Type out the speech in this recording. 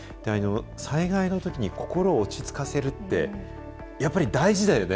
災害のときに心を落ち着かせるって、やっぱり大事だよね？